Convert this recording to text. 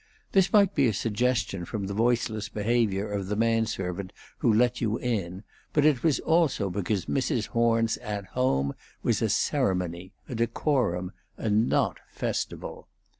This might be a suggestion from the voiceless behavior of the man servant who let you in, but it was also because Mrs. Horn's At Home was a ceremony, a decorum, and not festival.